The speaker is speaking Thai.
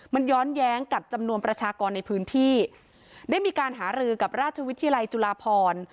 มันย้อนแย้งกับจำนวนประชากรในพื้นที่ได้มีการหารือกับราชวิทยาลัยจุฬาพร